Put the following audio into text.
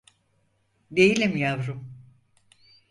Değilim yavrum…